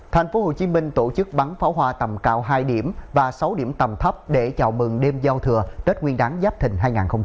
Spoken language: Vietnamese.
thành phố hồ chí minh tổ chức bắn pháo hoa tầm cao hai điểm và sáu điểm tầm thấp để chào mừng đêm giao thừa đất nguyên đáng giáp thình hai nghìn hai mươi bốn